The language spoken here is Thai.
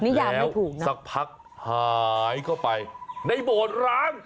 ยามไม่ถูกนะสักพักหายเข้าไปในโบสถ์ร้าน